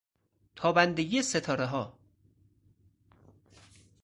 تابندگی ستارهها